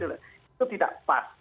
itu tidak pas